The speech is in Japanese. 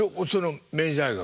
明治大学の？